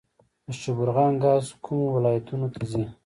د شبرغان ګاز کومو ولایتونو ته ځي؟